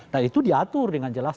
nah itu diatur dengan jelas